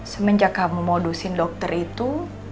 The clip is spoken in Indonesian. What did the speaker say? semenjak kamu modusin dokter itu